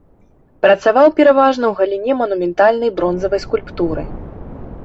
Працаваў пераважна ў галіне манументальнай бронзавай скульптуры.